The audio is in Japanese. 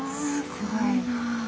すごいなあ。